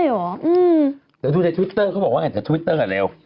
เดี๋ยวดูในทวิตเตอร์เขาบอกว่าไงแต่ทวิตเตอร์กับเร็ว